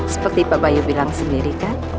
seperti pak bayu bilang sendiri kan